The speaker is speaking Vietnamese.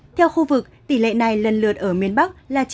theo khu vực tỷ lệ này lần lượt ở miền bắc là chín mươi ba bảy và bảy mươi